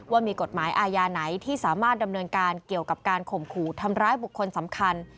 ว่ามีกฎหมายอาญาไหนที่สามารถดำเนินการเกี่ยวกับการข่มขู่ทำร้ายบุคคลสำคัญ